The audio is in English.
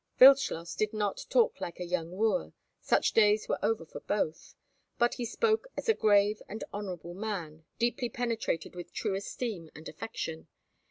Wildschloss did not talk like a young wooer; such days were over for both; but he spoke as a grave and honourable man, deeply penetrated with true esteem and affection.